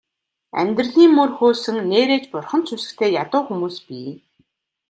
Амьдралын мөр хөөсөн нээрээ ч бурханд сүсэгтэй ядуу хүмүүс бий.